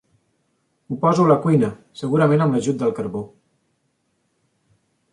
Ho poso a la cuina, segurament amb l'ajut del carbó.